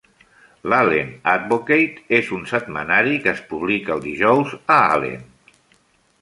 L'"Allen Advocate" és un setmanari que es publica el dijous a Allen.